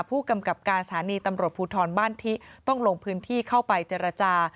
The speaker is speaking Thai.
ผู้กำกับการชาวบ้านทิต้องลงพื้นที่เข้าไปเจรจา